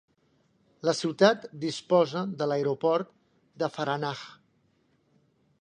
La ciutat disposa de l'aeroport de Faranah.